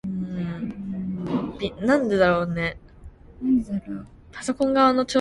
서울의 봄은 눈 속에서 온다